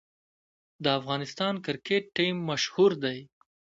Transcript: د افغانستان کرکټ ټیم مشهور دی